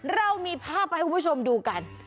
เรามีภาพให้คุณผู้ชมดูกัน